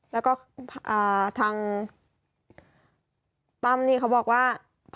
แล้วก็ทางตั้มนี่เขาบอกว่า